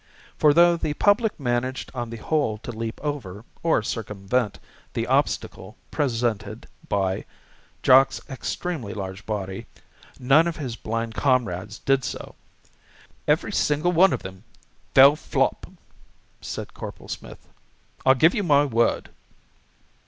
For though the public managed on the whole to leap over, or circumvent, the obstacle presented by Jock's extremely large body, none of his blind comrades did so. "Every single one of them fell flop," said Corporal Smith; "I give you my word."